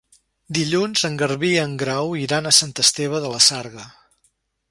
Dilluns en Garbí i en Grau iran a Sant Esteve de la Sarga.